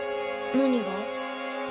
何が？